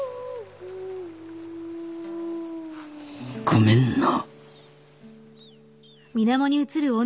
ごめんな。